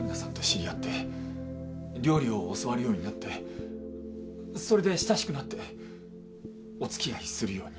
陽菜さんと知り合って料理を教わるようになってそれで親しくなっておつきあいするように。